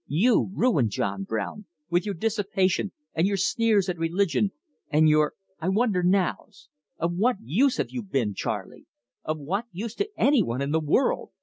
You ruined John Brown, with your dissipation and your sneers at religion and your 'I wonder nows!' Of what use have you been, Charley? Of what use to anyone in the world?